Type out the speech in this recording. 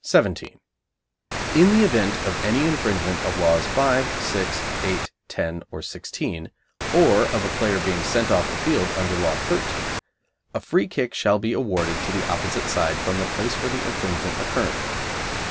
17. In the event of any infringement of Laws 5, 6, 8, 10, or 16, or of a player being sent off the field under Law 13, a free kick shall be awarded to the opposite side from the place where the infringement occurred.